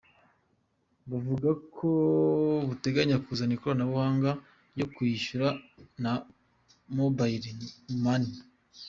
Buvuga ko buteganya kuzana ikoranabuhanga ryo kwishyura na Mobayili mani.